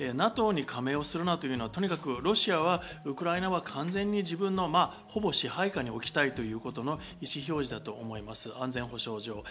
ＮＡＴＯに加盟をするなというのは、とにかくロシアはウクライナは完全に自分の支配下に置きたいということの意思表示だと思います、安全保障上。